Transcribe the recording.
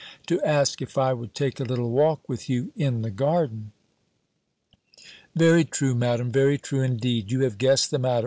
to ask if I would take a little walk with you in the garden." "Very true, Madam! Very true indeed! You have guessed the matter.